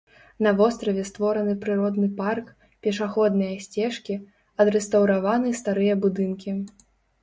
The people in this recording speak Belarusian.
На востраве створаны прыродны парк, пешаходныя сцежкі, адрэстаўраваны старыя будынкі.